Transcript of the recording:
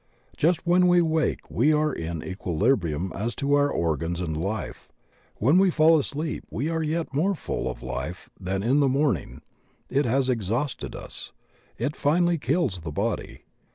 Just when we wake we are in equilibrium as to our organs and life; when we fall asleep we are yet more full of life than in the morn ing; it has exhausted us; it finally kills the body.